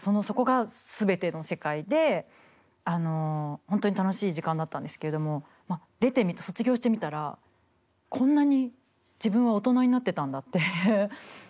そこが全ての世界で本当に楽しい時間だったんですけれども出てみて卒業してみたらこんなに自分は大人になってたんだって。